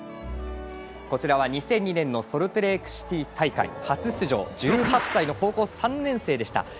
こちらは２００２年のソルトレークシティー大会初出場１８歳の高校３年生でした。